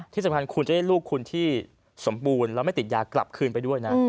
ที่สำคัญคุณจะได้ลูกคุณที่สมบูรณ์แล้วไม่ติดยากลับคืนไปด้วยนะ